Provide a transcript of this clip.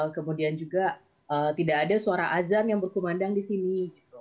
kemudian juga tidak ada suara azan yang berkumandang di sini